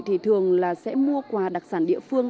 thì thường là sẽ mua quà đặc sản địa phương